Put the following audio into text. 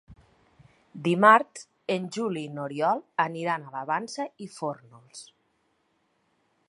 Dimarts en Juli i n'Oriol aniran a la Vansa i Fórnols.